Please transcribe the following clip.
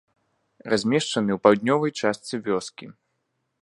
Размешчаны ў паўднёвай частцы вёскі.